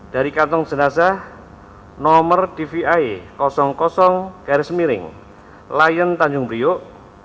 dari kantong jenazah nomor dvi lion tanjung priok dua puluh lima